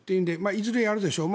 いずれやるでしょう。